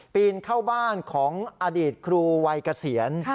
ปีนเข้าบ้านของอดีตครูวัยเกษียณ